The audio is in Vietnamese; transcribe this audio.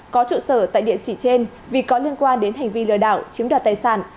có trụ sở tại địa chỉ trên vì có liên quan đến hành vi lừa đảo chiếm đoạt tài sản